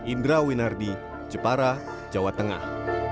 indra winardi jepara jawa tengah